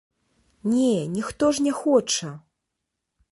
Не, ніхто ж не хоча!